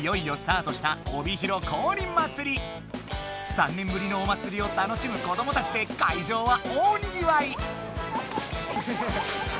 ３年ぶりのおまつりを楽しむ子どもたちで会場は大にぎわい！